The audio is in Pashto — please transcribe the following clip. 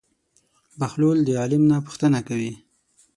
بهلول د عالم نه پوښتنه کوي.